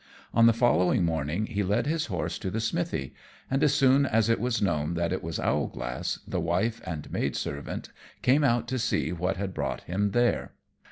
On the following morning he led his horse to the smithy; and as soon as it was known that it was Owlglass, the wife and maidservant came out to see what had brought him there.